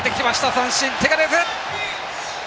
三振、手が出ず！